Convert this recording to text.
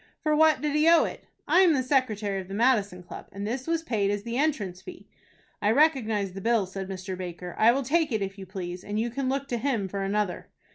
"For what did he owe it?" "I am the secretary of the Madison Club, and this was paid as the entrance fee." "I recognize the bill," said Mr. Baker. "I will take it, if you please, and you can look to him for another."